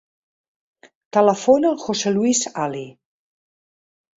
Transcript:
Telefona al José luis Ali.